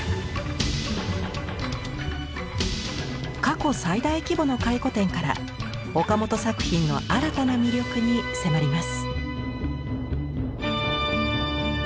過去最大規模の回顧展から岡本作品の新たな魅力に迫ります。